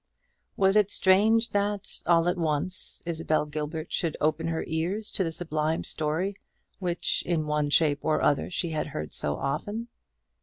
Was it strange that, all at once, Isabel Gilbert should open her ears to the sublime story, which, in one shape or other, she had heard so often?